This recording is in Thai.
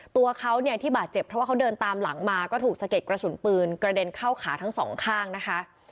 ตัวเขาเนี่ยที่บาดเจ็บเพราะว่าเขาเดินตามหลังมาก็ถูกสะเก็ดกระสุนปืนกระเด็นเข้าขาทั้งสองข้างนะคะ